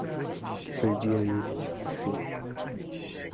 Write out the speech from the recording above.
Que perdia ele, se...